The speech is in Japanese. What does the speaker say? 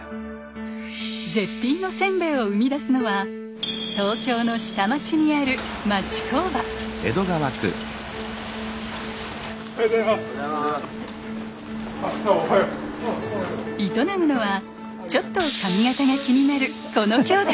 絶品のせんべいを生み出すのは東京の下町にある営むのはちょっと髪形が気になるこの兄弟。